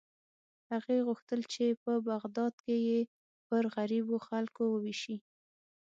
هغې غوښتل چې په بغداد کې یې پر غریبو خلکو ووېشي.